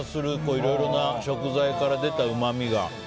いろいろな食材から出たうまみが。